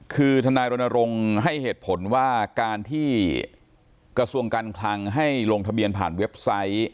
คือทนายรณรงค์ให้เหตุผลว่าการที่กระทรวงการคลังให้ลงทะเบียนผ่านเว็บไซต์